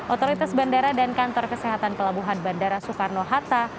otoritas bandara dan kantor kesehatan pelabuhan bandara soekarno hatta